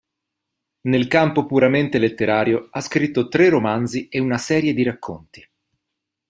Nel campo puramente letterario ha scritto tre romanzi e una serie di racconti.